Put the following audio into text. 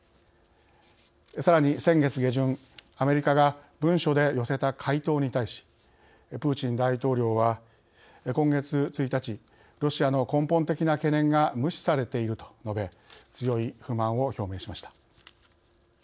さらに先月下旬、アメリカが文書で寄せた回答に対しプーチン大統領は今月１日「ロシアの根本的な懸念が無視されている」と述べ強い不満を表明しました。